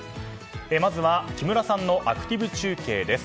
まずは木村さんのアクティブ中継です。